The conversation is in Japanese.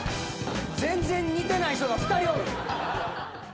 全然似てない人が２人おる。